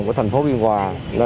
của thành phố biên hòa